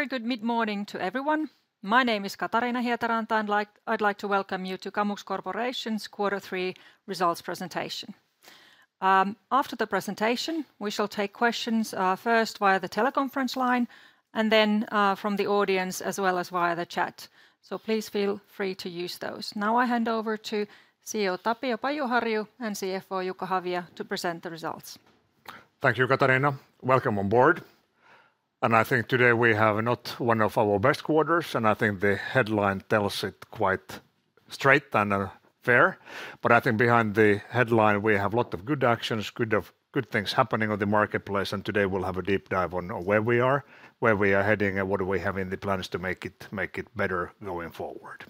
Very good. Mid morning to everyone. My name is Katariina Hietaranta and I'd like to welcome you to Kamux Corporation's Quarter 3 results presentation. After the presentation we shall take questions first via the teleconference line and then from the audience as well as via the chat. So please feel free to use those. Now I hand over to CEO Tapio Pajuharju and CFO Jukka Havia to present the results. Thank you, Katariina. Welcome on board, and I think today we have not one of our best quarters, and I think the headline tells it quite straight and fair, but I think behind the headline we have a lot of good actions, good things happening on the marketplace, and today we'll have a deep dive on where we are, where we are heading, and what do we have in the plans to make it better going forward.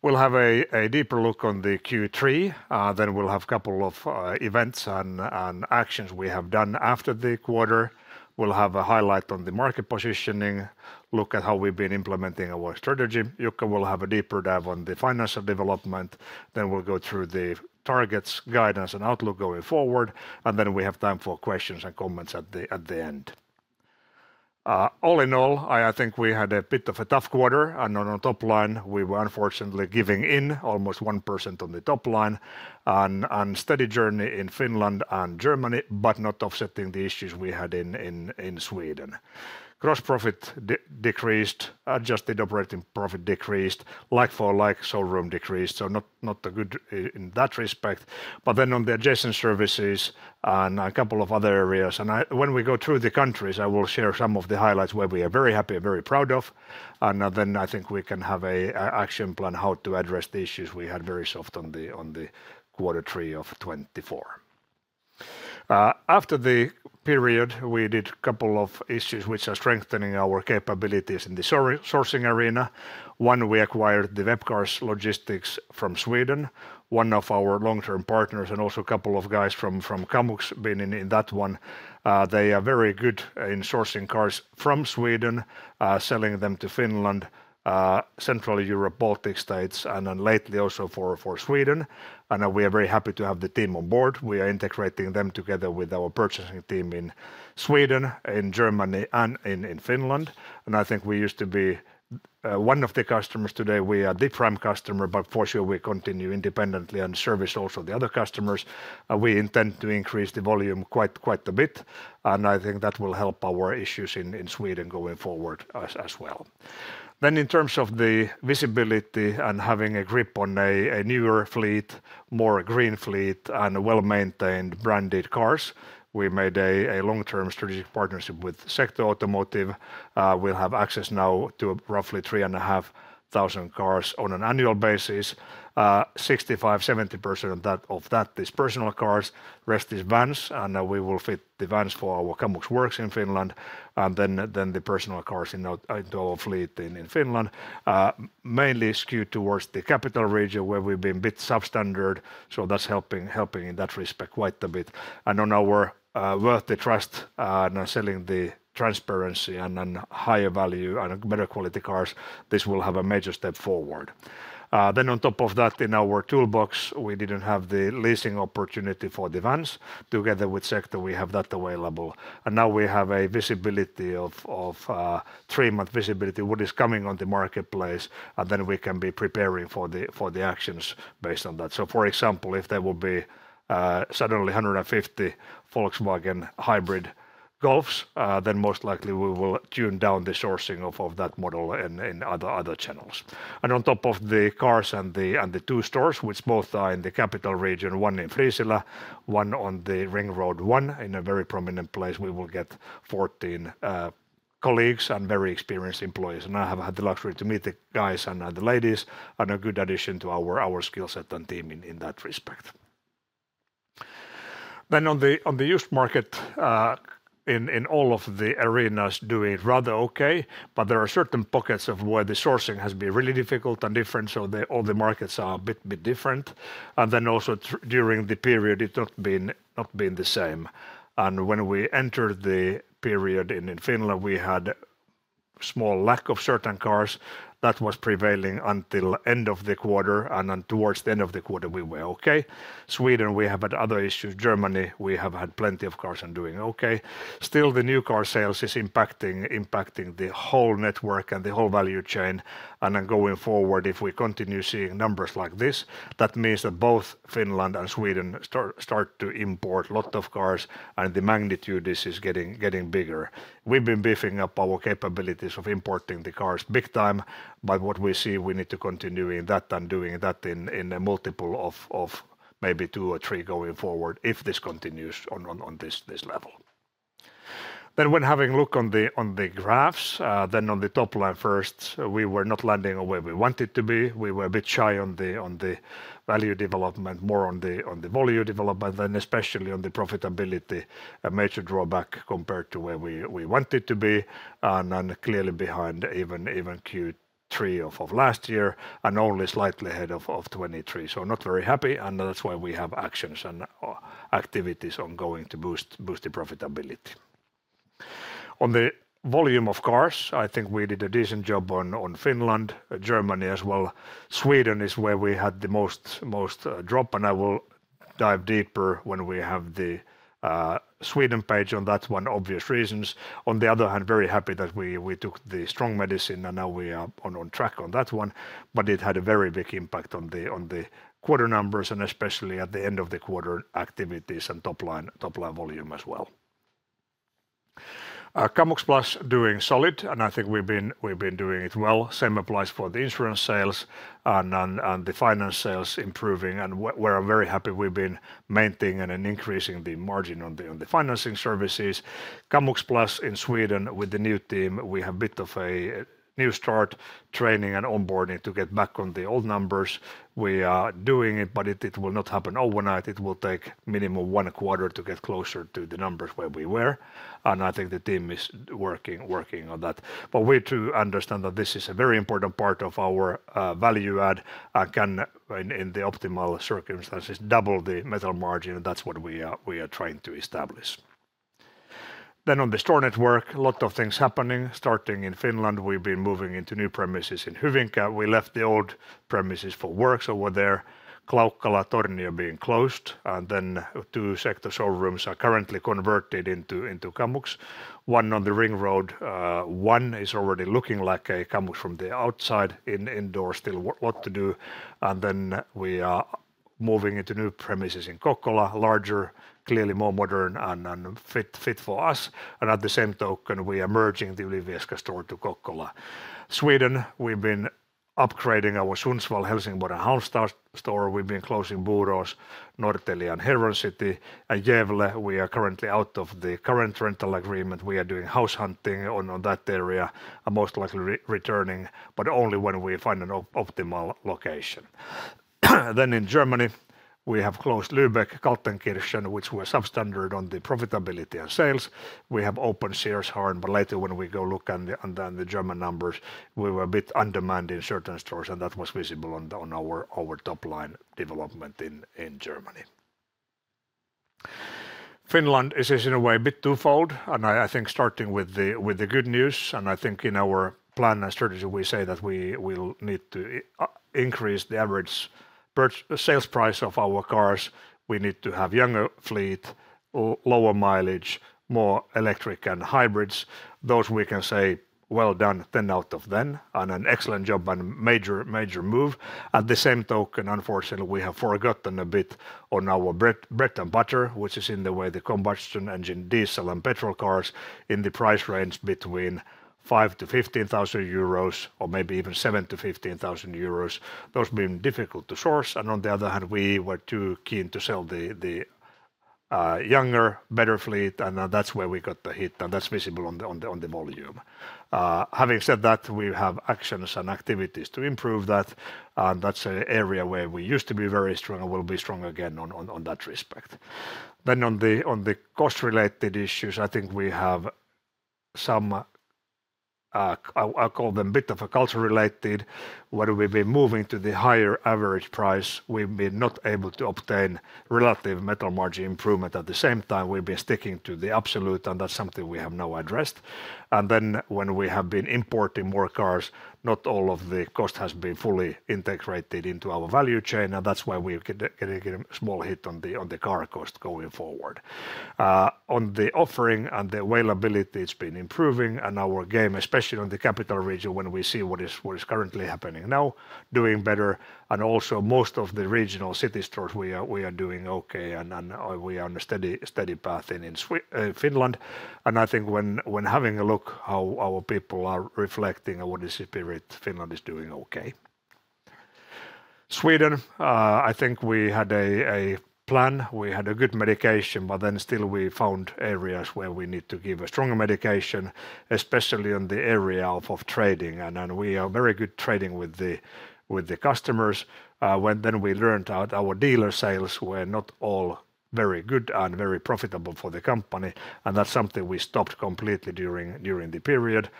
We'll have a deeper look on the Q3, then we'll have a couple of events and actions we have done. After the quarter, we'll have a highlight on the market positioning, look at how we've been implementing our strategy. Jukka will have a deeper dive on the financial development, then we'll go through the targets, guidance, and outlook going forward, and then we have time for questions and comments at the end. All in all I think we had a bit of a tough quarter and on the top line we were unfortunately down almost 1% on the top line and steady in Finland and Germany but not offsetting the issues we had in Sweden. Gross profit decreased, adjusted operating profit decreased like-for-like sales decreased. So not good in that respect. But then on the adjacent services and a couple of other areas and when we go through the countries I will share some of the highlights where we are very happy and very proud of and then I think we can have an action plan how to address the issues we had very soft on the quarter 3 of 2024 after the period we did a couple of things which are strengthening our capabilities in the sourcing arena. One, we acquired the Webcars Logistics from Sweden, one of our long-term partners and also a couple of guys from Kamux been in that one. They are very good in sourcing cars from Sweden, selling them to Finland, Central Europe, Baltic States and lately also for Sweden and we are very happy to have the team on board. We are integrating them together with our purchasing team in Sweden, in Germany and in Finland and I think we used to be one of the customers. Today we are the prime customer but for sure we continue independently and service also the other customers. We intend to increase the volume quite a bit and I think that will help our issues in Sweden going forward as well. Then, in terms of the visibility and having a grip on a newer fleet, more green fleet and well maintained branded cars, we made a long-term strategic partnership with Secto Automotive. We'll have access now to roughly three and a half thousand cars on an annual basis, 65%-70% of that is personal cars. Rest is vans and we will fit the vans for our Kamux Work in Finland and then the personal cars into our fleet in Finland. Mainly skewed towards the Capital Region where we've been a bit substandard. So that's helping in that respect quite a bit. And on our worth-your-trust selling the transparency and higher value and better quality cars, this will have a major step forward. Then, on top of that, in our toolbox we didn't have the leasing opportunity for the vans. Together with Secto, we have that available, and now we have a three-month visibility of what is coming on the marketplace. Then we can be preparing for the actions based on that. So for example, if there will be suddenly 150 Volkswagen hybrid Golfs, most likely we will tune down the sourcing of that model in other channels. On top of the cars and the two stores, which both are in the Capital Region, one in Friisilä, one on the ring road, one in a very prominent place, we will get 14 colleagues and very experienced employees. I have had the luxury to meet the guys and the ladies, a good addition to our skill set and team in that respect. On the used market in all of the arenas, we are doing rather okay. But there are certain pockets of where the sourcing has been really difficult and different. So all the markets are a bit different. And then also during the period it's not been the same. And when we entered the period in Finland we had small lack of certain cars that was prevailing until end of the quarter. And towards the end of the quarter we were okay. Sweden, we have had other issues. Germany we have had plenty of cars and doing okay. Still the new car sales is impacting the whole network and the whole value chain. And then going forward, if we continue seeing numbers like this, that means that both Finland and Sweden start to import lot of cars. And the magnitude this is getting bigger. We've been beefing up our capabilities of importing the cars big time. But what we see, we need to continue that and doing that in a multiple of maybe two or three going forward. If this continues on this level, then when having a look on the graphs then on the top line, first we were not landing where we wanted to be. We were a bit shy on the value development, more on the volume development, especially on the profitability, a major drawback compared to where we want it to be, and clearly behind even Q3 of last year and only slightly ahead of 2023, so not very happy, and that's why we have actions and activities ongoing to boost the profitability on the volume of cars. I think we did a decent job in Finland and Germany as well. Sweden is where we had the most drop, and I will dive deeper when we have the Sweden page on that one. Obvious reasons. On the other hand, very happy that we took the strong medicine and now we are on track on that one. But it had a very big impact on the quarter numbers and especially at the end of the quarter activities and top line volume as well. Kamux Plus doing solid and I think we've been doing it well. Same applies for the insurance sales and the finance sales improving and we're very happy. We've been maintaining and increasing the margin on the financing services. Kamux in Sweden, with the new team we have a bit of a new start training and onboarding to get back on the old numbers. We are doing it, but it will not happen overnight. It will take minimum one quarter to get closer to the numbers where we were. I think the team is working on that. But we too understand that this is a very important part of our value add, and can in the optimal circumstances double the metal margin. And that's what we are trying to establish. Then on the store network. A lot of things happening. Starting in Finland we've been moving into new premises in Hyvinkää. We left the old premises for works over there. Klaukkala, Tornio being closed. And then two Secto stores are currently converted into Kamux. One on the ring road, one is already looking like a Kamux from the outside indoors. Still a lot to do. And then we are moving into new premises in Kokkola, larger, clearly more modern and fit for us. And at the same time we are merging the Ylivieska store to Kokkola. Sweden. We've been upgrading our Sundsvall Helsingborg Halmstad store. We've been closing Borås, Norrtälje and Heron City. We are currently out of the current rental agreement. We are doing house hunting on that area, most likely returning, but only when we find an optimal location. Then in Germany we have closed Lübeck, Kaltenkirchen which were substandard on the profitability and sales. We have open Elmshorn, but later when we go look under the German numbers. We were a bit undermanned in certain stores and that was visible on our top line development in Germany. Finland is in a way a bit twofold. And I think starting with the good news and I think in our plan and strategy we say that we will need to increase the average sales price of our cars. We need to have younger fleet, lower mileage, more electric and hybrids. Those we can say well done, 10 out of 10 and an excellent job and a major major move. At the same token, unfortunately we have forgotten a bit on our bread and butter which is in the way the combustion engine, diesel and petrol cars in the price range between 5,000-15,000 euros or maybe even 7,000-15,000 euros. Those being difficult to source, and on the other hand we were too keen to sell the younger, better fleet, and that's where we got the hit, and that's visible on the volume. Having said that, we have actions and activities to improve that. That's an area where we used to be very strong and will be strong again. On that respect then on the cost related issues, I think we have some. I call them bit of a culture related where we've been moving to the higher average price. We've been not able to obtain relative metal margin improvement. At the same time we've been sticking to the absolute and that's something we have now addressed. And then when we have been importing more cars, not all of the cost has been fully integrated into our value chain. And that's why we get a small hit on the car cost going forward on the offering and the way scalability it's been improving and our gain, especially on the Capital Region when we see what is currently happening now doing better and also most of the regional city stores we are doing okay and we are on a steady path in Finland. And I think when having a look how our people are reflecting our eNPS. Finland is doing okay. Sweden, I think we had a plan. We had a good medicine but then still we found areas where we need to give a stronger medicine, especially in the area of trading. We are very good trading with the customers. Then we learned that our dealer sales were not all very good and very profitable for the company. That's something we stopped completely during the period.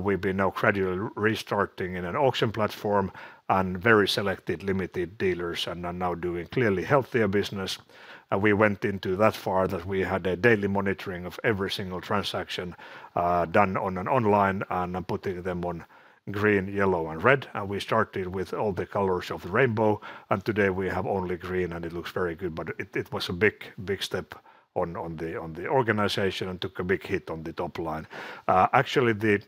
We've been now gradually restarting in an auction platform and very selected limited dealers and are now doing clearly healthier business. We went into that far that we had a daily monitoring of every single transaction done online and I'm putting them on green, yellow and red. We started with all the colors of the rainbow and today we have only green and it looks very good. But it was a big, big step on the organization and took a big hit on the top line. Actually the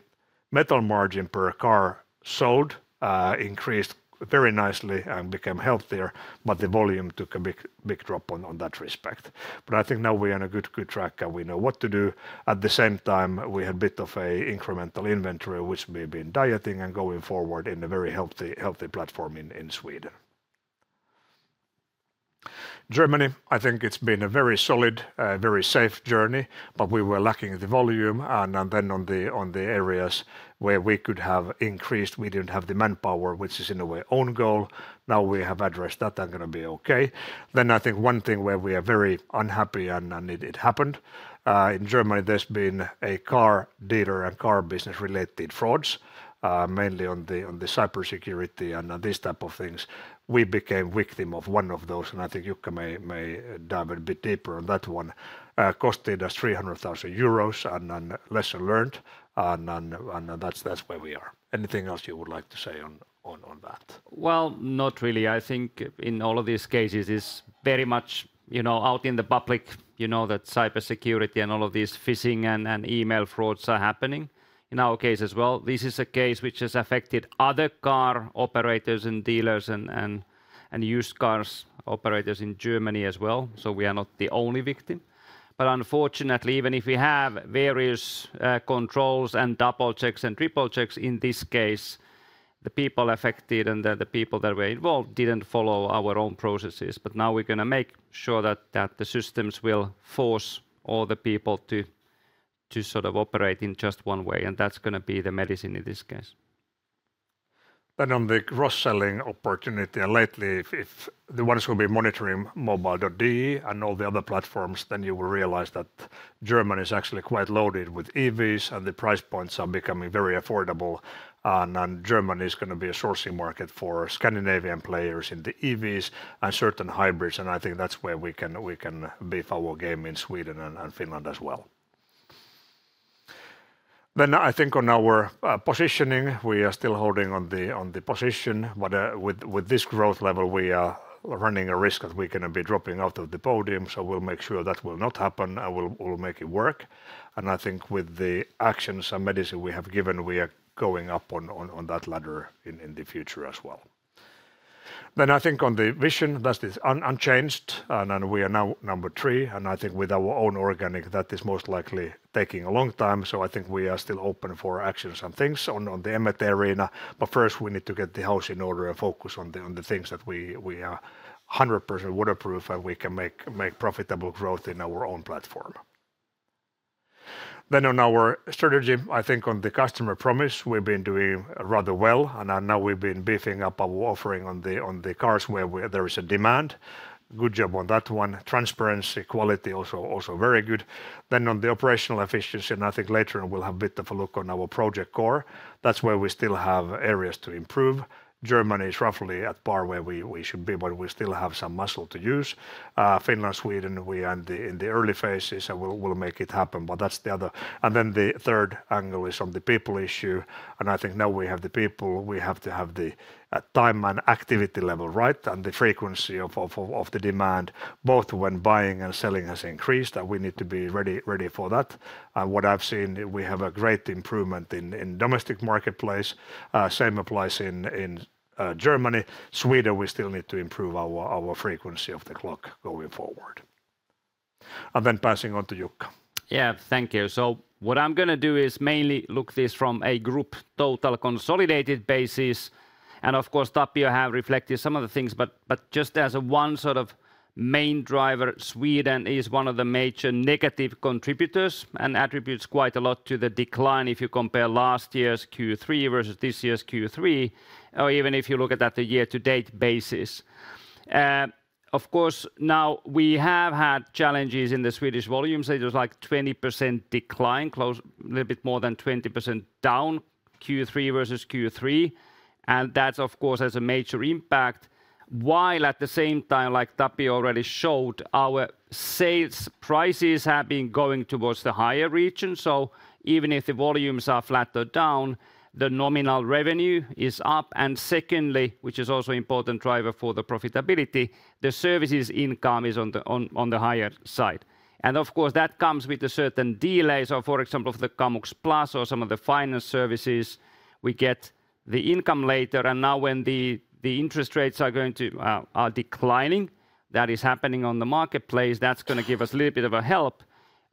metal margin per car sold increased very nicely and became healthier. But the volume took a big drop on that respect. But I think now we are on a good track and we know what to do. At the same time we had a bit of an incremental inventory which we've been dieting and going forward in a very healthy platform in Sweden, Germany. I think it's been a very solid, very safe journey. But we were lacking the volume. And then on the areas where we could have increased, we didn't have the manpower which is in a way own goal. Now we have addressed that and going to be okay. Then I think one thing where we are very unhappy and it happened in Germany. There's been a car dealer and car business related frauds mainly on the cyber security and these type of things. We became victim of one of those and I think Jukka may dive a bit deeper on that one. Costed us 300,000 euros and lesson learned and that's where we are. Anything else you would like to say on that? Not really. I think in all of these cases it's very much out in the public, you know, that cyber security and all of these phishing and email frauds are happening in our case as well. This is a case which has affected other car operators and dealers and used cars operators in Germany as well. So we are not the only victim. But unfortunately, even if we have various controls and double checks and triple checks in this case, the people affected and the people that were involved didn't follow our own processes. But now we're going to make sure that the systems will force all the people to sort of operate in just one way and that's going to be the medicine in this case. Then on the gross-selling opportunity and lately the ones who will be monitoring mobile.de and all the other platforms, then you will realize that Germany is actually quite loaded with EVs and the price points are becoming very affordable. And Germany is going to be a sourcing market for Scandinavian players in the EVs and certain hybrids and I think that's where we can beef our game in Sweden and Finland as well. Then I think on our positioning we are still holding on the position, but with this growth level we are running a risk that we can be dropping out of the podium. So we'll make sure that will not happen and we'll make it work. And I think with the actions and medicine we have given, we are going up on that ladder in the future as well. Then, I think on the vision, that is unchanged, and we are now number three, and I think with our own organic, that is most likely taking a long time. So, I think we are still open for actions and things on the M&A arena. But first we need to get the house in order and focus on the things that we are 100% waterproof, and we can make profitable growth in our own platform. Then on our strategy, I think on the customer promise, we've been doing rather well, and now we've been beefing up our offering on the cars where there is a demand. Good job on that one. Transparency, quality also very good. Then on the operational efficiency, and I think later we'll have a bit of a look on our Project Core. That's where we still have areas to improve. Germany is roughly at par where we should be, but we still have some muscle to use. Finland, Sweden, we are in the early phases. We'll make it happen, but that's the other, and then the third angle is on the people issue and I think now we have the people, we have to have the time and activity level right. And the frequency of the demand both when buying and selling has increased that we need to be ready for that. What I've seen, we have a great improvement in domestic marketplace. Same applies in Germany, Sweden, we still need to improve our frequency of the clock going forward and then passing on to Jukka. Yeah, thank you, so what I'm going to do is mainly look this from a group total consolidated basis and of course Tapio have reflected some of the things, but just as one sort of main driver, Sweden is one of the major negative contributors and attributes quite a lot to the decline. If you compare last year's Q3 versus this year's Q3 or even if you look at that, the year to date basis, of course now we have had challenges. In the Swedish volumes, it was like 20% decline, close a little bit more than 20% down Q3 versus Q3. And that of course has a major impact, while at the same time, like Tapio already showed, our sales prices have been going towards the higher region, so even if the volumes are flat or down, the nominal revenue is up. And secondly, which is also an important driver for the profitability, the services income is on the higher side and of course that comes with a certain delay. So for example, the Kamux Plus or some of the finance services, we get the income later. And now when the interest rates are going to are declining, that is happening on the marketplace. That's going to give us a little bit of a help.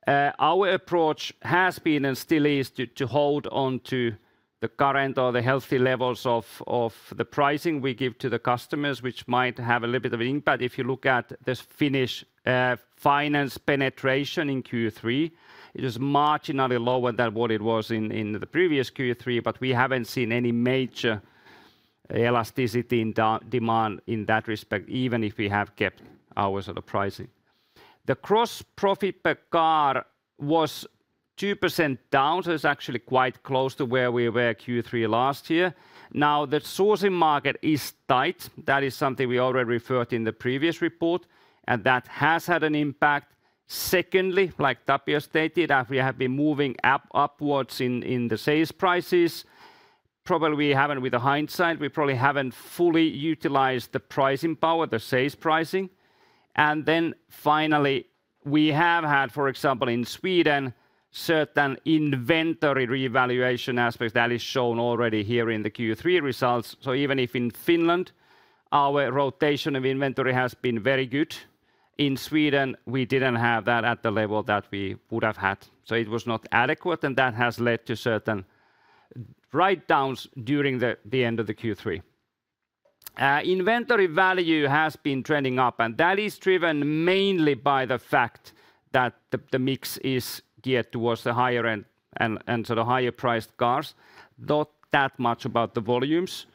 Our approach has been and still is to hold on to the current or the healthy levels of the pricing we give to the customers, which might have a little bit of an impact. If you look at this Finnish finance penetration in Q3 it is marginally lower than what it was in the previous Q3. But we haven't seen any major elasticity in demand in that respect. Even if we have kept our sort of pricing, the gross profit per car was 2% down. So it's actually quite close to where we were Q3 last year. Now the sourcing market is tight. That is something we already referred to in the previous report and that has had an impact. Secondly, like Tapio stated, we have been moving upwards in the sales prices. Probably, with the hindsight, we haven't fully utilized the pricing power, the sales pricing. And then finally we have had for example in Sweden certain inventory revaluation aspects that is shown already here in the Q3 results. So even if in Finland our rotation of inventory has been very good, in Sweden we didn't have that at the level that we would have had. So it was not adequate. And that has led to certain write-downs. At the end of Q3, inventory value has been trending up, and that is driven mainly by the fact that the mix is geared towards the higher end and so the higher priced cars, not that much about the volumes.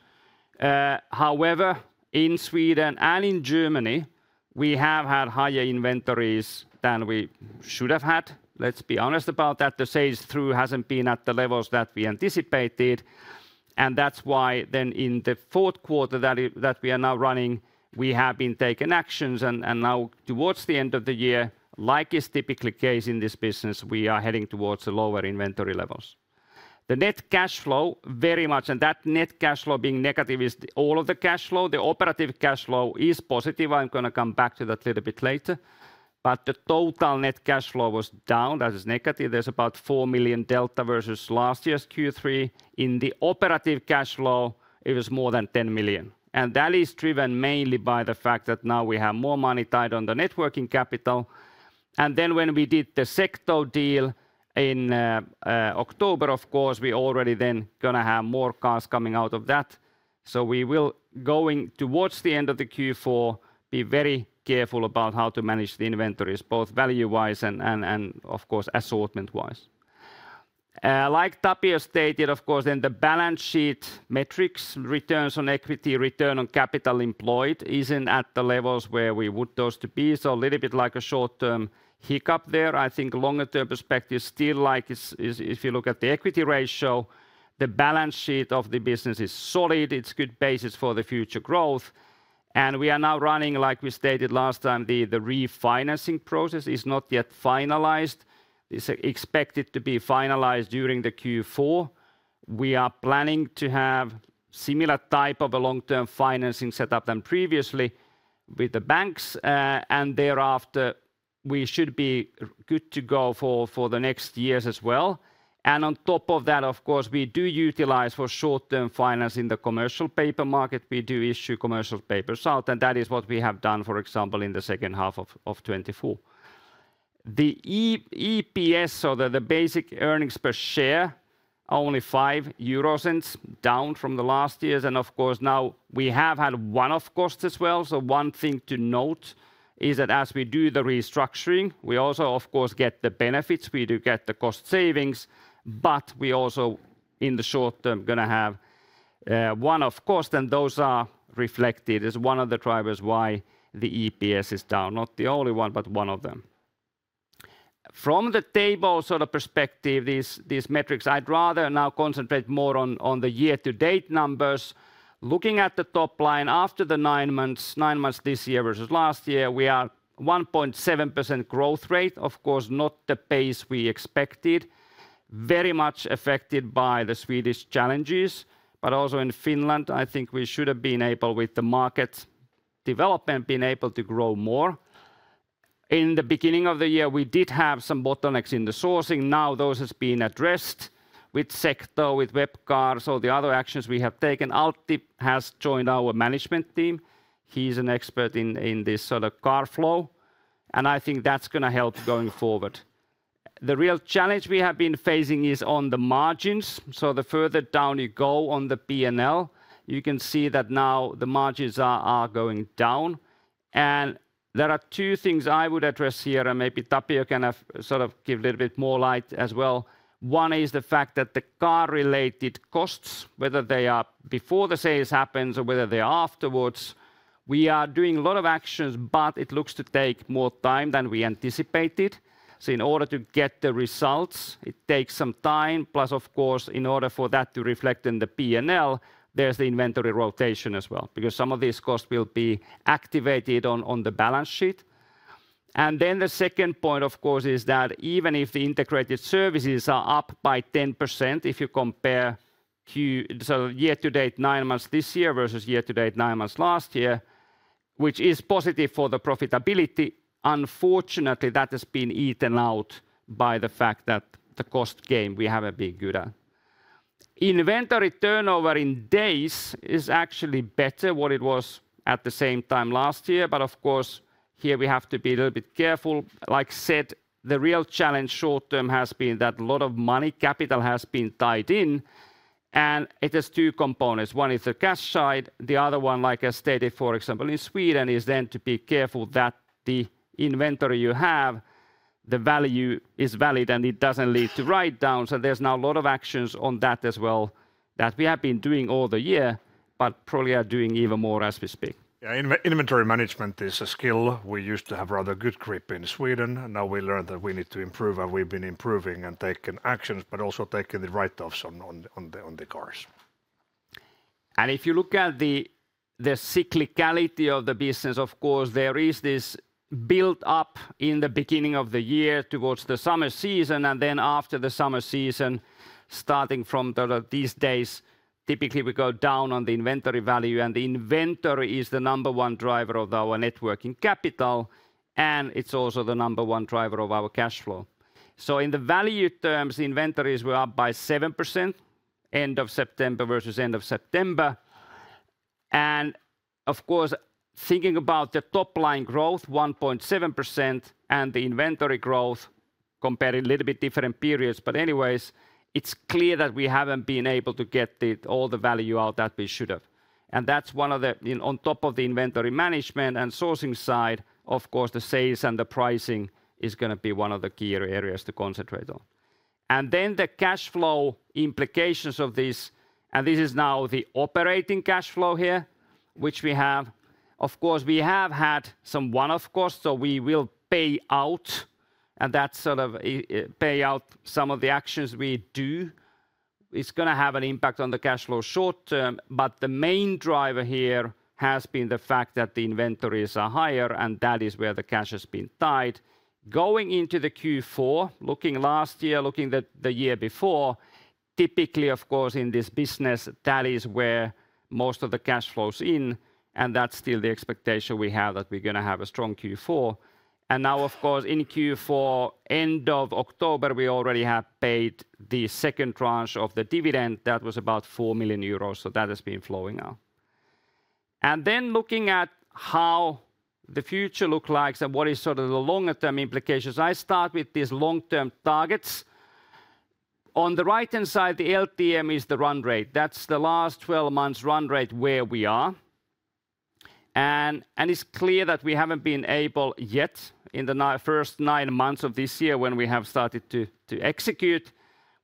However, in Sweden and in Germany, we have had higher inventories than we should have had. Let's be honest about that. The sales through hasn't been at the levels that we anticipated. And that's why then in the fourth quarter that we are now running, we have been taking actions, and now towards the end of the year, like it is typically the case in this business, we are heading towards lower inventory levels. The net cash flow very much, and that net cash flow being negative, is all of the cash flow. The operative cash flow is positive. I'm going to come back to that a little bit later. But the total net cash flow was down. That is negative. There's about four million delta versus last year's Q3. In the operative cash flow it was more than 10 million. And that is driven mainly by the fact that now we have more money tied on the net working capital. And then when we did the Secto deal in October of course we already then going to have more cars coming out of that. So we will going towards the end of the Q4 be very careful about how to manage the inventories both value-wise and of course assortment-wise. Like Tapio stated, of course then the balance sheet metrics, returns on equity, return on capital employed isn't at the levels where we would those to be. So a little bit like a short-term hiccup there. I think longer term perspective still like if you look at the equity ratio, the balance sheet of the business is solid. It's good basis for the future growth. And we are now running like we stated last time. The refinancing process is not yet finalized. It's expected to be finalized during the Q4. We are planning to have similar type of a long-term financing setup than previously with the banks and thereafter. We should be good to go for the next years as well. And on top of that of course we do utilize for short-term finance in the commercial paper market. We do issue commercial papers out and that is what we have done. For example in 2H24 the EPS or the basic earnings per share only 0.05 down from the last years. And of course now we have had one off cost as well. One thing to note is that as we do the restructuring we also of course get the benefits. We do get the cost savings but we also in the short-term going to have one-off costs. And those are reflected as one of the drivers why the EPS is down, not the only one but one of them from the table sort of perspective these metrics. I'd rather now concentrate more on the year to date numbers. Looking at the top line after the nine months, nine months this year versus last year we are 1.7% growth rate. Of course not the pace we expected. Very much affected by the Swedish challenges. But also in Finland I think we should have been able with the market development, been able to grow more. In the beginning of the year we did have some bottlenecks in the sourcing. Now those have been addressed with Secto with Webcars. All the other actions we have taken. Altip has joined our management team. He's an expert in this sort of car flow and I think that's going to help going forward. The real challenge we have been facing is on the margins. So the further down you go on the P&L you can see that now the margins are going down. And there are two things I would address here and maybe Tapio can sort of give a little bit more light as well. One is the fact that the car-related costs, whether they are before the sales happens or whether they are afterwards we are doing a lot of actions, but it looks to take more time than we anticipated. So in order to get the results it takes some time. Plus, of course, in order for that to reflect in the P&L, there's the inventory turnover as well, because some of these costs will be activated on the balance sheet. And then the second point, of course, is that even if the integrated services are up by 10%, if you compare year-to-date nine months this year versus year-to-date nine months last year, which is positive for the profitability. Unfortunately, that has been eaten up by the fact that the cost game we haven't been good at. Inventory turnover in days is actually better than what it was at the same time last year. But of course here we have to be a little bit careful. As said, the real challenge short-term has been that a lot of working capital has been tied in and it has two components. One is the cash side. The other one, like I stated for example in Sweden, is then to be careful that the inventory you have, the value is valid and it doesn't lead to write-downs, and there's now a lot of actions on that as well that we have been doing all the year, but probably are doing even more as we speak. Inventory management is a skill. We used to have rather good grip in Sweden and now we learned that we need to improve and we've been improving and taken actions, but also taking the write-offs on the cars. And if you look at the cyclicality of the business, of course there is this build up in the beginning of the year towards the summer season and then after the summer season, starting from these days, typically we go down on the inventory value and the inventory is the number one driver of our net working capital and it's also the number one driver of our cash flow. So in the value terms inventories were up by 7% end of September versus end of September. And of course thinking about the top line growth 1.7% and the inventory growth comparing a little bit different periods. But anyways it's clear that we haven't been able to get all the value out that we should have. That's one of the, on top of the inventory management and sourcing side, of course the sales and the pricing is going to be one of the key areas to concentrate on. Then the cash flow implications of this. This is now the operating cash flow here which we have. Of course we have had some one-off costs. So we will pay out and that sort of pay out some of the actions we do. It's going to have an impact on the cash flow short-term. But the main driver here has been the fact that the inventories are higher and that is where the cash has been tied going into the Q4, looking last year, looking at the year before typically of course in this business, typically where most of the cash flows in. That's still the expectation we have that we're going to have a strong Q4. Now of course in Q4, end of October, we already have paid the second tranche of the dividend that was about four million EUR. That has been flowing now. Then looking at how the future look like and what is sort of the longer term implications, I start with these long-term targets on the right hand side, the LTM is the run rate. That's the last 12 months run rate where we are and it's clear that we haven't been able yet in the first nine months of this year when we have started to execute,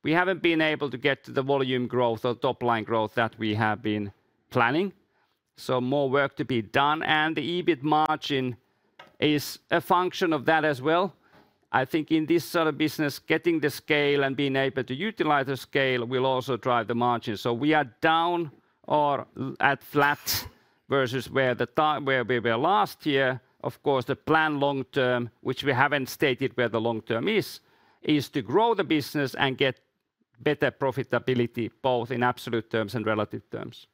we haven't been able to get to the volume growth or top line growth that we have been planning. So more work to be done and the EBIT margin is a function of that as well. I think in this sort of business getting the scale and being able to utilize the scale will also drive the margin. So we are down or at flat versus where we were last year. Of course the plan long-term, which we haven't stated where the long-term is, is to grow the business and get better profitability both in absolute terms and relative terms.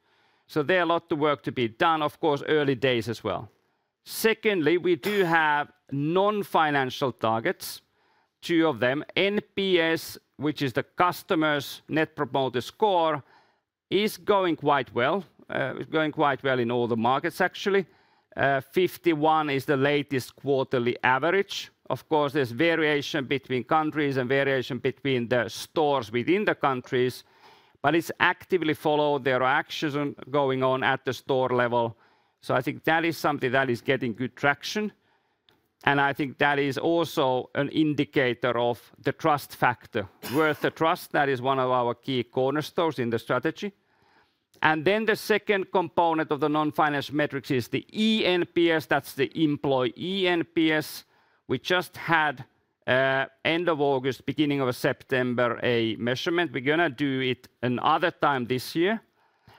So there are a lot of work to be done of course early days as well. Secondly, we do have non-financial targets. Two of them, NPS which is the customer's Net Promoter Score is going quite well. It's going quite well in all the markets. Actually 51 is the latest quarterly average. Of course there's variation between countries and variation between the stores within the countries, but it's actively following the actions going on at the store level. So I think that is something that is getting good traction, and I think that is also an indicator of the trust factor worth the trust. That is one of our key cornerstones in the strategy. Then the second component of the non-financial metrics is the eNPS. That's the employee NPS. We just had end of August, beginning of September, a measurement; we're going to do it another time this year.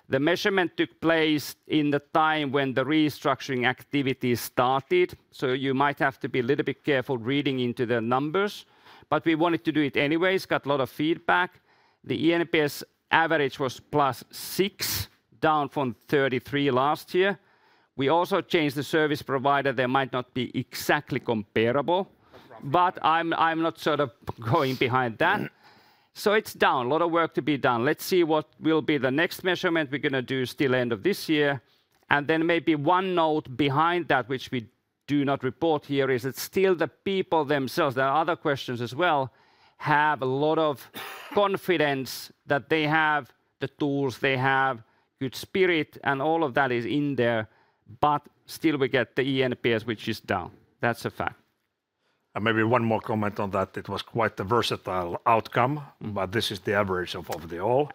The measurement took place at the time when the restructuring activities started. So you might have to be a little bit careful reading into the numbers. But we wanted to do it anyways. Got a lot of feedback. The eNPS average was plus six, down from 33 last year. We also changed the service provider. They might not be exactly comparable, but I'm not sort of going behind that. So it's down. A lot of work to be done. Let's see what will be the next measurement we're going to do still end of this year, and then maybe one note behind that, which we do not report here, is it's still the people themselves. There are other questions as well. Have a lot of confidence that they have the tools, they have good spirit, and all of that is in there, but still we get the eNPS, which is down. That's a fact. Maybe one more comment on that. It was quite a versatile outcome, but this is the average of the all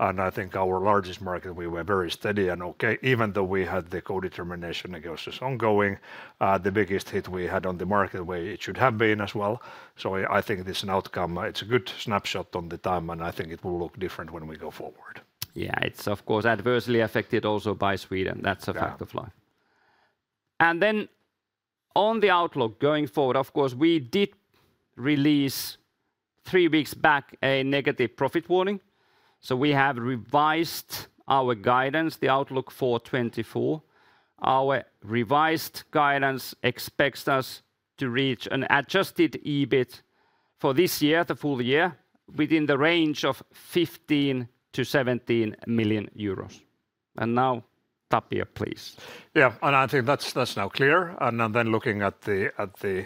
and I think our largest market, we were very steady and okay, even though we had the co-determination negotiations ongoing, the biggest hit we had on the market, where it should have been as well. So I think this outcome, it's a good snapshot on the time and I think it will look different when we go forward. Yeah, it's of course adversely affected also by Sweden. That's a fact of life. And then on the outlook going forward, of course we did release three weeks back a negative profit warning. So we have revised our guidance, the outlook for 2024. Our revised guidance expects us to reach an adjusted EBIT for this year, the full year, within the range of 15-17 million euros. And now Tapio, please. Yeah, and I think that's now clear, and then looking at the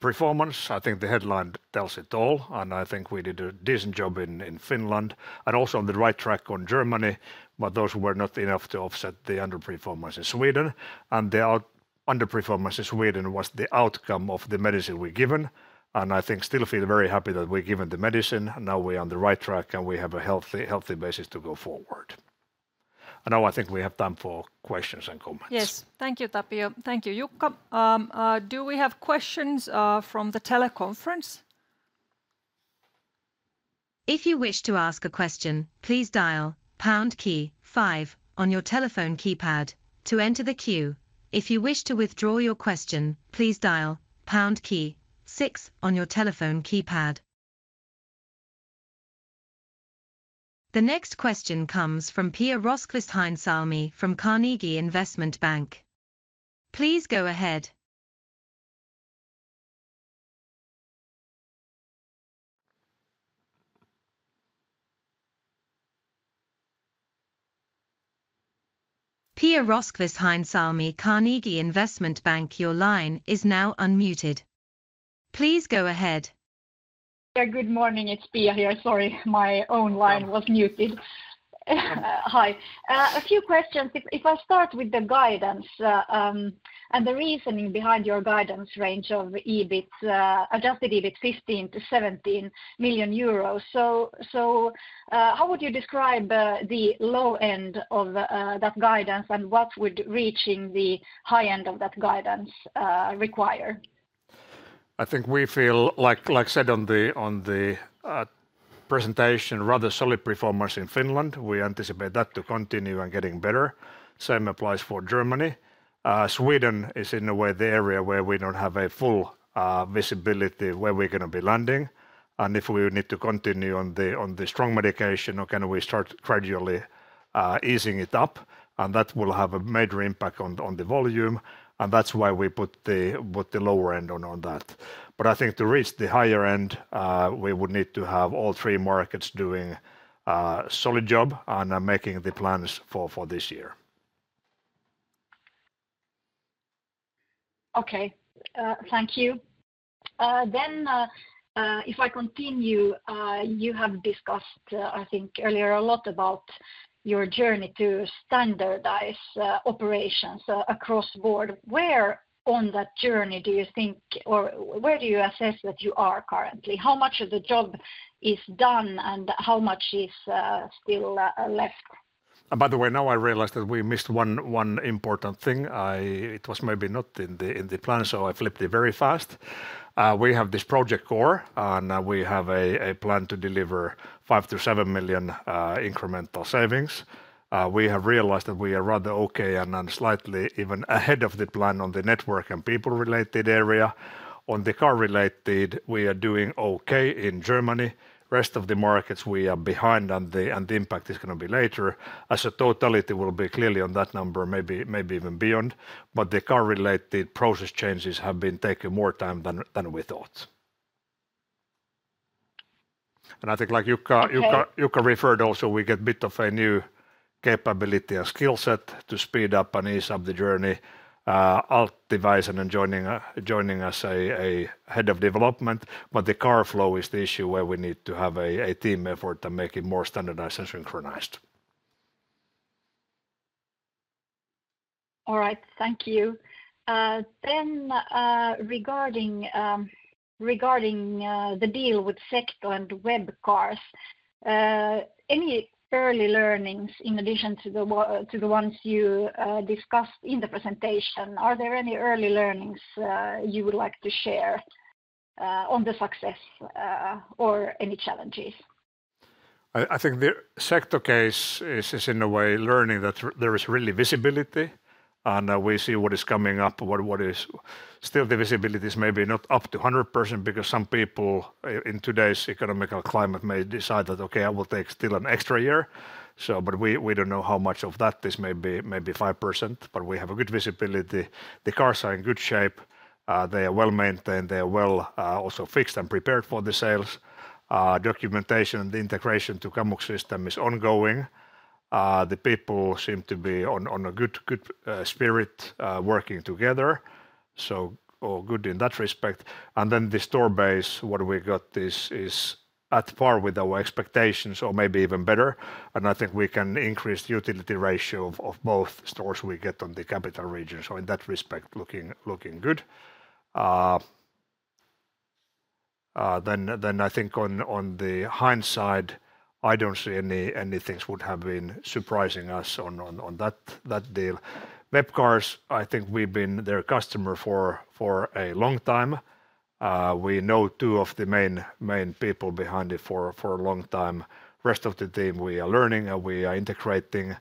performance, I think the headline tells it all, and I think we did a decent job in Finland and also on the right track in Germany, but those were not enough to offset the underperformance in Sweden, and the underperformance in Sweden was the outcome of the medicine we've given, and I think still feel very happy that we're given the medicine, now we're on the right track, and we have a healthy basis to go forward. Now I think we have time for questions and comments. Yes. Thank you, Tapio. Thank you, Jukka. Do we have questions from the teleconference? If you wish to ask a question, please dial five on your telephone keypad to enter the queue. If you wish to withdraw your question, please dial six on your telephone keypad. The next question comes from Pia Rosqvist-Heinsalmi from Carnegie Investment Bank. Please go ahead. Pia Rosqvist-Heinsalmi, Carnegie Investment Bank. Your line is now unmuted. Please go ahead. Good morning, it's Pia here. Sorry, my own line was muted. Hi, a few questions. If I start with the guidance and the reasoning behind your guidance range of EBIT adjusted EBIT 15-17 million euros. So how would you describe the low end of that guidance and what would reaching the high end of that guidance requirement? I think, as we said in the presentation, rather solid performance in Finland. We anticipate that to continue and getting better. Same applies for Germany. Sweden is in a way the area where we don't have a full visibility where we're going to be landing, and if we need to continue on the strong moderation, can we start gradually easing it up and that will have a major impact on the volume and that's why we put the lower end on that. But I think to reach the higher end we would need to have all three markets doing a solid job and making the plans for this year. Okay, thank you. Then if I continue, you have discussed I think earlier a lot about your journey to standardize operations across the board. Where on that journey do you think or where do you assess that you are currently? How much of the job is done and how much is still left? By the way, now I realize that we missed one important thing. It was maybe not in the plan, so I flipped it very fast. We have this Project Core and we have a plan to deliver five to seven million incremental savings. We have realized that we are rather okay and slightly even ahead of the plan on the network and people related area on the car related. We are doing okay in Germany. Rest of the markets we are behind and the impact is going to be later as a totality will be clearly on that number, maybe even beyond. But the car related process changes have been taking more time than we thought. I think like Jukka referred also we get a bit of a new capability and skill set to speed up and ease up the journey of devising and joining us as head of development. The car flow is the issue where we need to have a team effort to make it more standardized and synchronized. All right, thank you. Then regarding the deal with Secto and Webcars, any early learnings in addition to the ones you discussed in the presentation? Are there any early learnings you would like to share on the success or any challenges? I think the sector case is in a way learning that there is really visibility and we see what is coming up. Still the visibility is maybe not up to 100% because some people in today's economic climate may decide that okay, I will take still an extra year. But we don't know how much of that this may be 5% but we have a good visibility. The cars are in good shape, they are well maintained. They are well also fixed and prepared for the sales documentation and integration to Kamux system is ongoing. The people seem to be on a good spirit working together so good in that respect, and then the store base what we got is at par with our expectations or maybe even better, and I think we can increase the utility ratio of both stores we get on the Capital Region. So, in that respect, looking good. Then, I think, in hindsight, I don't see any things would have been surprising us on that deal. Webcars, I think we've been their customer for a long time. We know two of the main people behind it for a long time. Rest of the team, we are learning and we are integrating.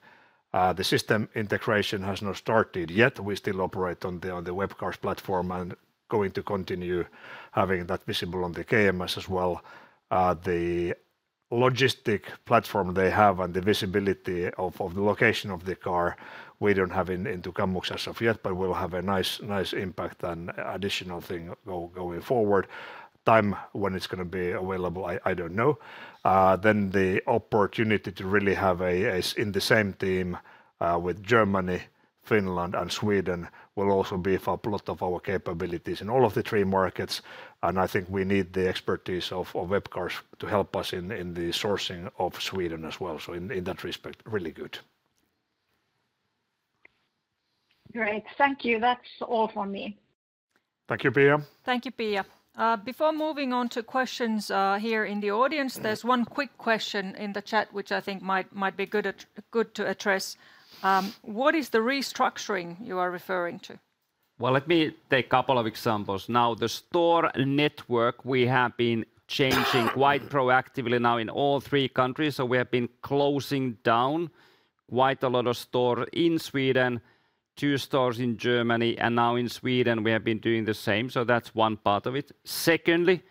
The system integration has not started yet. We still operate on the Webcars platform and going to continue having that visible on the KMS as well. The logistics platform they have and the visibility of the location of the car we don't have into Kamux as of yet but will have a nice impact and additional thing going forward. Time when it's going to be available, I don't know. Then the opportunity to really have in the same team with Germany, Finland and Sweden will also beef up a lot of our capabilities in all of the three markets. And I think we need the expertise of Webcars to help us in the sourcing of Sweden as well. So in that respect really good. Great. Thank you. That's all from me. Thank you Pia. Thank you, Pia. Before moving on to questions here in the audience, there's one quick question in the chat which I think might be good to address. What is the restructuring you are referring to? Let me take a couple of examples. Now the store network we have been changing quite proactively now in all three countries. So we have been closing down quite a lot of stores in Sweden, two stores in Germany, and now in Sweden we have been doing the same. So that's one part of it. Secondly,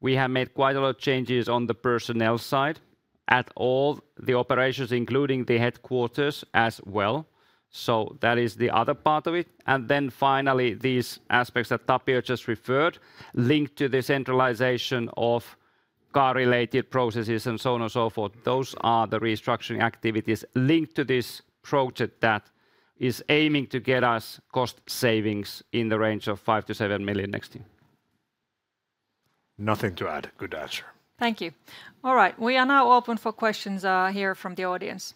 we have made quite a lot of changes on the personnel side at all the operations, including the headquarters as well. So that is the other part of it. And then finally these aspects that Tapio just referred to linked to the centralization of car related processes and so on and so forth. Those are the restructuring activities linked to this project that is aiming to get us cost savings in the range of 5-7 million next year. Nothing to add. Good answer. Thank you. All right, we are now open for questions here from the audience.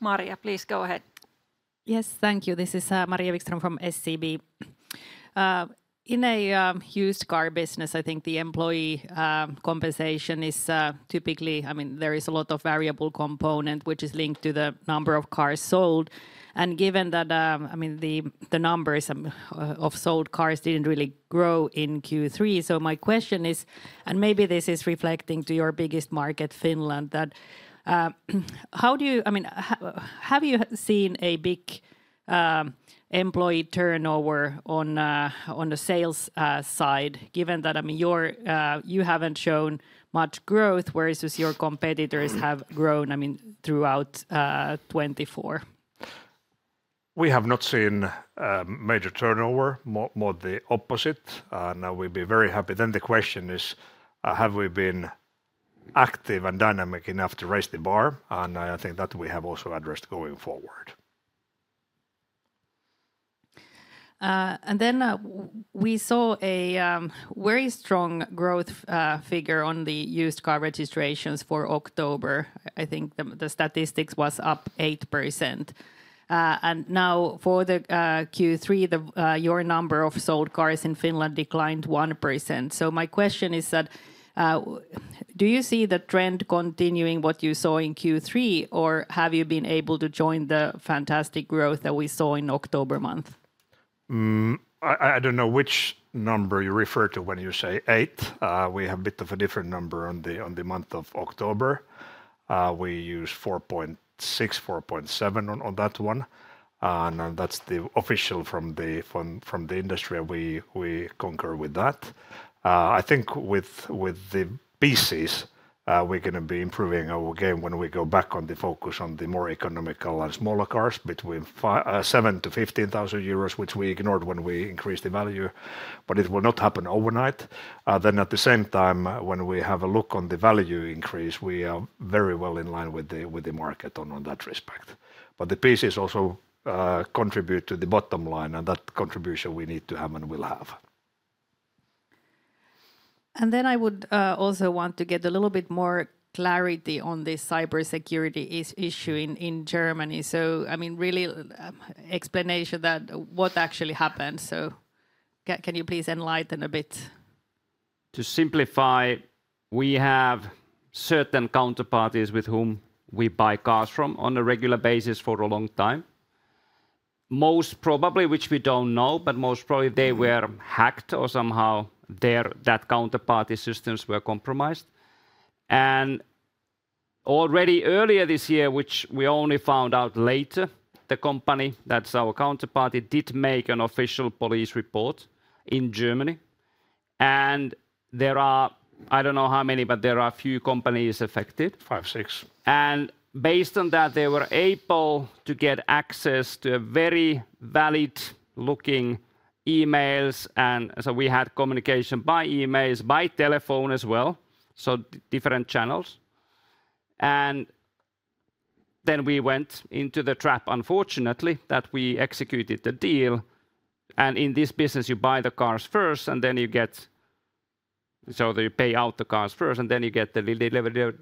Maria, please go ahead. Yes, thank you. This is Maria Wikström from SEB. In a used car business, I think the employee compensation is typically, I mean there is a lot of variable component which is linked to the number of cars sold. And given that, I mean the number of sold cars didn't really grow in Q3. So my question is, and maybe this is reflecting to your biggest market Finland, that how do you, I mean have you seen a big employee turnover on the sales side given that, I mean your, you haven't shown much growth whereas your competitors have grown. I mean throughout 2024 we have not. Seen major turnover, more the opposite. Now we'd be very happy. Then the question is, have we been active and dynamic enough to raise the bar, and I think that we have also addressed going forward. Then we saw a very strong growth figure on the used car registrations for October. I think the statistics was up 8%. Now for the Q3, your number of sold cars in Finland declined 1%. My question is, do you see the trend continuing what you saw in Q3 or have you been able to join the fantastic growth that we saw in October month? I don't know which number you refer to when you say eight. We have a bit of a different number on the month of October. We use 4.6, 4.7 on that one, and that's the official from the industry. We concur with that. I think with the PCs we're going to be improving our game when we go back on the focus on the more economical and smaller cars between 7,000-15,000 euros, which we ignored when we increased the value, but it will not happen overnight. Then at the same time when we have a look on the value increase, we are very well in line with the market on that respect. But the PCs also contribute to the bottom line and that contribution we need to have and will have. And then I would also want to get a little bit more clarity on this cybersecurity issue in Germany. So I mean really explanation that what actually happened. So can you please enlighten a bit. to simplify? We have certain counterparties with whom we buy cars from on a regular basis for a long time, most probably, which we don't know, but most probably they were hacked or somehow that counterparty systems were compromised. And already earlier this year, which we only found out later, the company that's our counterparty did make an official police report in Germany and there are, I don't know how many, but there are a few companies affected, five, six, and based on that they were able to get access to very valid looking emails. And so we had communication by emails by telephone as well, so different channels. And then we went into the trap unfortunately that we executed the deal. And in this business you buy the cars first and then you get. So you pay out the cars first and then you get the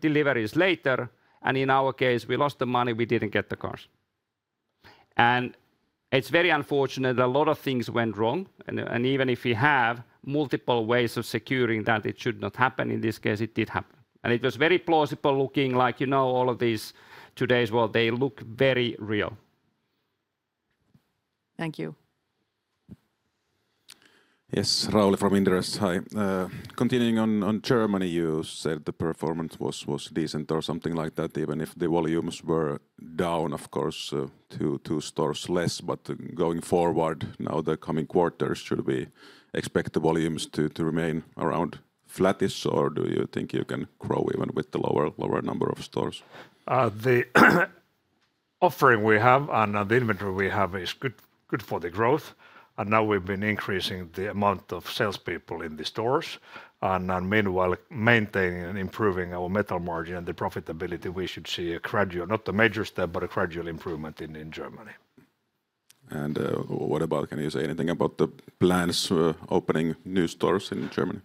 deliveries later. And in our case, we lost the money. We didn't get the cars. And it's very unfortunate. A lot of things went wrong, and even if you have multiple ways of securing that, it should not happen. In this case, it did happen, and it was very plausible looking like, you know, all of these today's world. They look very real. Thank you. Yes. Rauli from Inderes, hi. Continuing on Germany, you said the performance was decent or something like that. Even if the volumes were down, of course, to two stores less. But going forward, now the coming quarters, should be expect the volumes to remain around flattish or do you think you can grow even with the lower number of stores? The offering we have and the inventory we have is good for the growth, and now we've been increasing the amount of salespeople in the stores and meanwhile maintaining and improving our metal margin and the profitability. We should see a gradual, not a major step but a gradual improvement in Germany. Can you say anything about the plans opening new stores in Germany?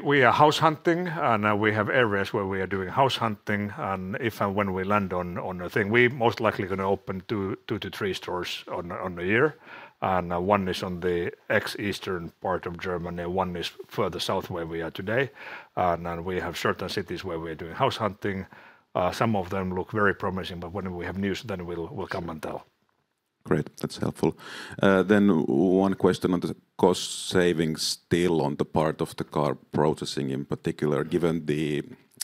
We are house hunting and we have areas where we are doing house hunting. If and when we land on a thing, we most likely going to open two to three stores in a year, and one is on the ex-East part of Germany, one is further south where we are today. And then we have certain cities where we are doing house hunting. Some of them look very promising, but when we have news then we'll come and tell. Great, that's helpful then. One question on the cost savings still on the part of the car processing in particular. Given the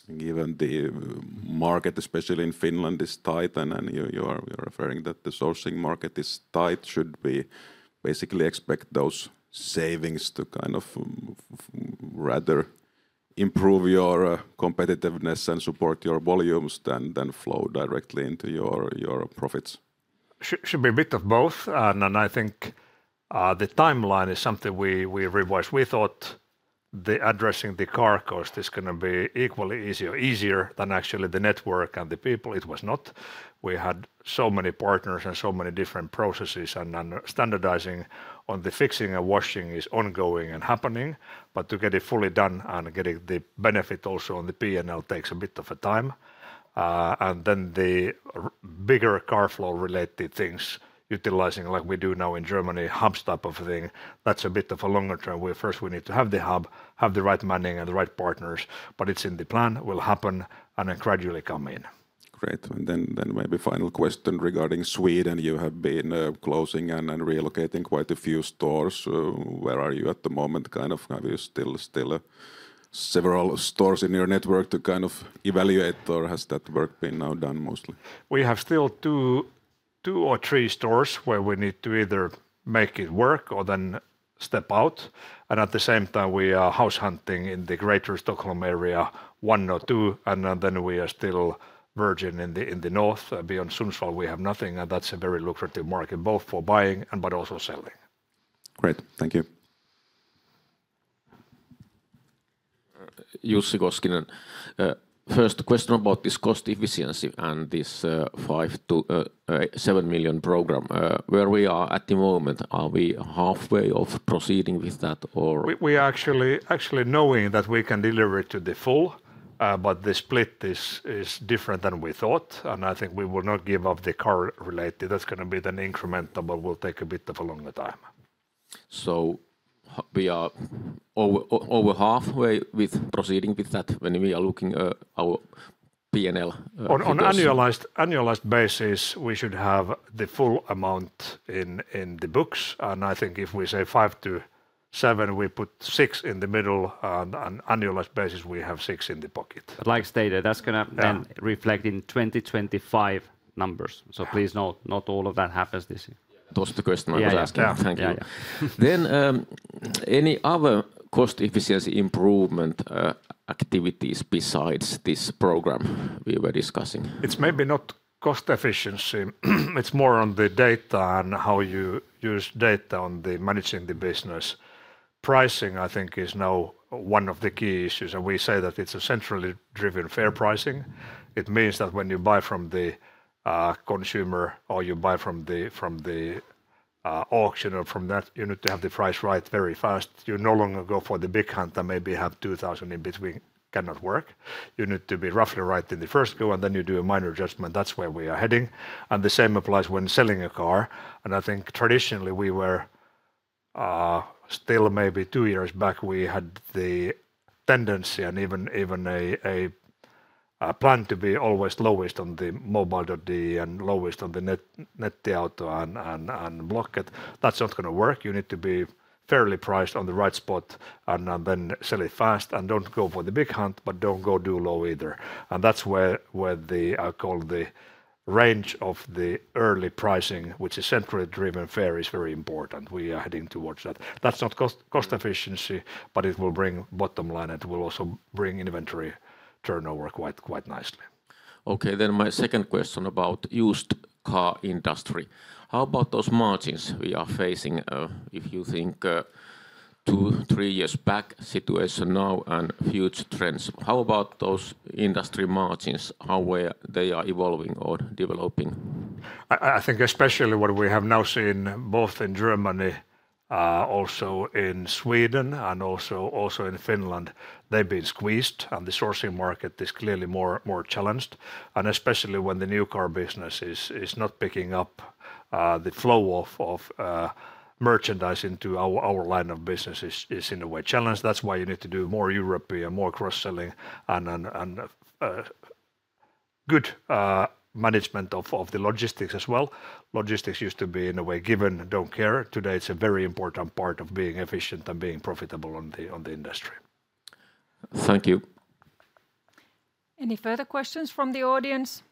market, especially in Finland is tight and you're referring that the sourcing market is tight, should we basically expect those savings to kind of rather improve your competitiveness and support your volumes than flow directly into your profits? Should be a bit of both. I think the timeline is something we revised. We thought addressing the car cost is going to be equally easier than actually the network and the people. It was not. We had so many partners and so many different processes and standardizing on the fixing and washing is ongoing and happening. But to get it fully done and getting the benefit also on the P and L takes a bit of a time. And then the bigger car flow related things utilizing like we do now in Germany, hubs type of thing. That's a bit of a longer term where first we need to have the hub have the right money and the right partners. But it's in the plan, will happen and then gradually come in. Great. And then maybe final question regarding Sweden. You have been closing and relocating quite a few stores. Where are you at the moment? Kind of. Are you still several stores in your network to kind of evaluate or has that work been now done? Mostly we have still two or three stores where we need to either make it work or then step out. And at the same time we are house hunting in the greater Stockholm area. One or two. And then we are still virgin in the north beyond Sundsvall we have nothing. And that's a very lucrative market both for buying and but also selling. Great, thank you. Jussi Koskinen first question about this cost efficiency and this 5-7 million program where we are at the moment. Are we halfway of proceeding with that or we actually knowing that we can deliver it to the full. But the split is different than we thought and I think we will not give up the car related. That's going to be then incremental but will take a bit of a longer time. We are over halfway with proceeding with that. When we are looking at our P. On annualized basis we should have the full amount in the books, and I think if we say five to seven we put six in the middle and on annualized basis we have. Six in the pocket, like stated. That's going to reflect in 2025 numbers. So please note not all of that happens. This. That was the question I was asking. Thank you. Then any other cost efficiency improvement activities besides this program we were discussing? It's maybe not cost efficiency, it's more on the data and how you use data on managing the business. Pricing, I think, is now one of the key issues, and we say that it's a centrally driven fair pricing. It means that when you buy from the consumer or you buy from the auction or from that, you need to have the price right very fast. You no longer go for the big hunt and maybe have 2,000 in between. Cannot work. You need to be roughly right in the first go and then you do a minor adjustment. That's where we are heading, and the same applies when selling a car, and I think traditionally we were still maybe two years back we had the tendency and even a plan to be always lowest on the mobile.de and lowest on the Nettiauto and Blocket. That's not going to work. You need to be fairly priced on the right spot and then sell it fast, and don't go for the big hunt, but don't go too low either, and that's where I call the range of the early pricing, which is centrally driven, fair is very important. We are heading towards that. That's not cost efficiency, but it will bring bottom line, and it will also bring inventory turnover quite nicely. Okay, then my second question about used car industry. How about those margins we are facing? If you think two, three years back situation now and future trends. How about those industry margins, how they are evolving or developing? I think especially what we have now seen both in Germany, also in Sweden and also in Finland, they've been squeezed and the sourcing market is clearly more challenged. Especially when the new car business is not picking up, the flow of merchandise into our line of business is in a way challenged. That's why you need to do more European, more cross selling and good management of the logistics as well. Logistics used to be in a way given, don't care. Today it's a very important part of being efficient and being profitable in the industry. Thank you. Any further questions from the audience?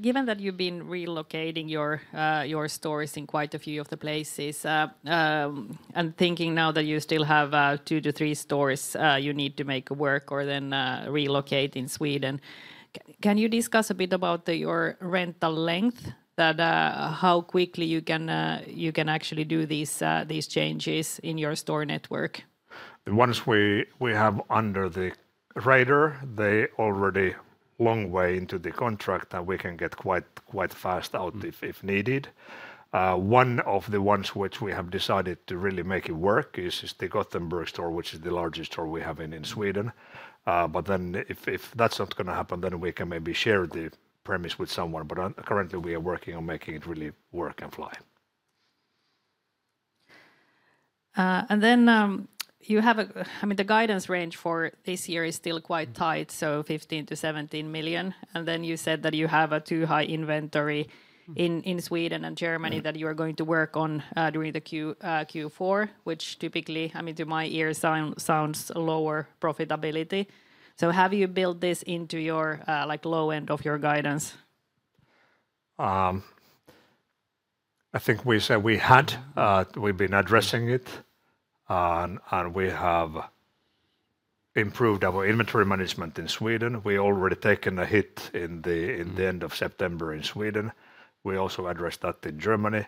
Given that you've been relocating your stores in quite a few of the places and thinking now that you still have two to three stores you need to make work or then relocate in Sweden, can you discuss a bit about your rental length, how quickly you can actually do these changes in your store network? The ones we have under the radar, they are already a long way into the contract that we can get quite fast out if needed. One of the ones which we have decided to really make it work is the Gothenburg store which is the largest store we have in Sweden. But then if that's not going to happen then we can maybe share the premises with someone. But currently we are working on making it really work and fly. And then you have. I mean the guidance range for this year is still quite tight, so 15-17 million. And then you said that you have too high inventory in Sweden and Germany that you are going to work on during the Q4, which typically, I mean to my ear sounds lower profitability. So have you built this into your low end of your guidance? I think we said we had. We've been addressing it and we have improved our inventory management in Sweden. We already taken a hit in the end of September in Sweden. We also addressed that in Germany,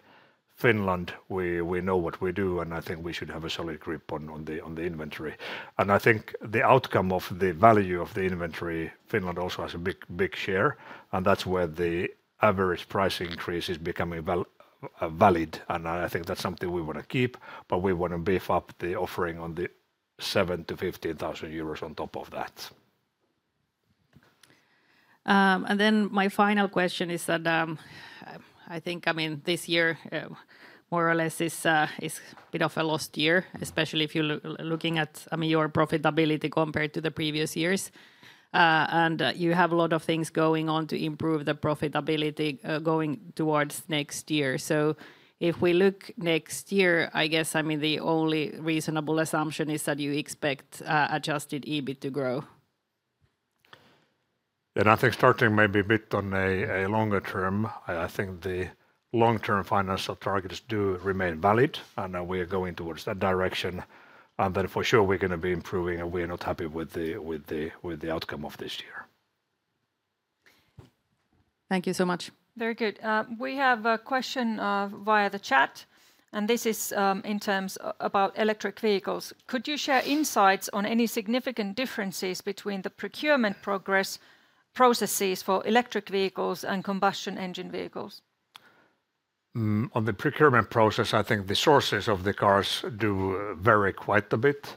Finland. We know what we do and I think we should have a solid grip on the inventory and I think the outcome of the value of the inventory. Finland also has a big, big share and that's where the average price increase is becoming valid, and I think that's something we want to keep but we want to beef up the offering on the €7,000-€15,000 on top of that. Then my final question is that I think, I mean, this year more or less is a bit of a lost year, especially if you're looking at, I mean, your profitability compared to the previous years and you have a lot of things going on to improve the profitability going towards next year. If we look at next year, I guess, I mean, the only reasonable assumption is that you expect adjusted EBIT to. Grow. I think starting maybe a bit on a longer term, I think the long-term financial targets do remain valid and we are going towards that direction and then for sure we're going to be improving and we are not happy with the outcome of this year. Thank you so much. Very good. We have a question via the chat and this is in terms of electric vehicles. Could you share insights on any significant differences between the procurement processes for electric vehicles and combustion engine vehicles? On the procurement process, I think the sources of the cars do vary quite a bit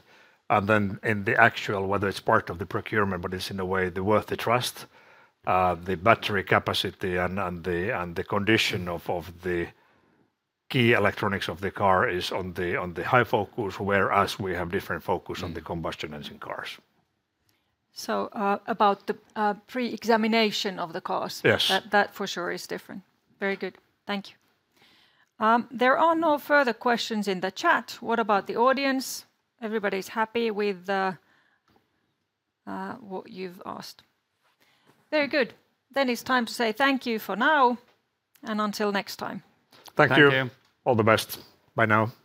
and then in the actual whether it's part of the procurement but it's in a way we verify the battery capacity and the condition of the key electronics of the car is on the high focus whereas we have different focus on the combustion engine cars. So about the pre-examination of the cars. Yes, that for sure is different. Very good, thank you. There are no further questions in the chat. What about the audience? Everybody's happy with what you've asked. Very good. Then it's time to say thank you for now and until next time. Thank you. All the best. Bye now.